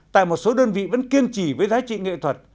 tại một số đơn vị vẫn kiên trì với giá trị nghệ thuật